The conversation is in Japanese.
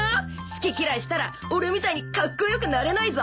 好き嫌いしたら俺みたいにカッコ良くなれないぞ。